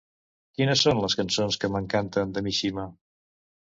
Quines són les cançons que m'encanten de Mishima?